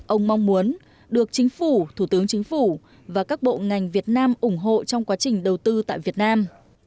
ông mong muốn được chính phủ thủ tướng chính phủ và các bộ ngành việt nam ủng hộ trong quá trình đầu tư tại việt nam